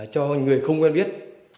cho người không quen biết